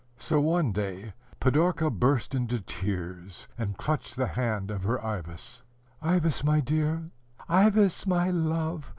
So, one day, Pidorka burst into tears, and clutched the hand of her Ivas. "Ivas, my dear! Ivas, my love!